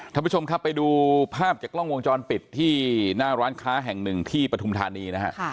ท่านผู้ชมครับไปดูภาพจากกล้องวงจรปิดที่หน้าร้านค้าแห่งหนึ่งที่ปฐุมธานีนะฮะ